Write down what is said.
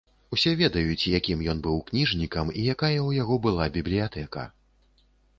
Усе ведаюць, якім ён быў кніжнікам і якая ў яго была бібліятэка.